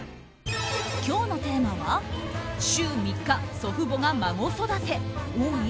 今日のテーマは週３日、祖父母が孫育て多い？